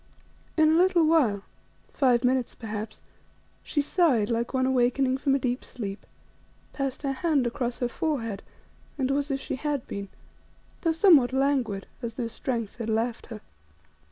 In a little while, five minutes perhaps, she sighed like one awakening from a deep sleep, passed her hand across her forehead and was as she had been, though somewhat languid, as though strength had left her.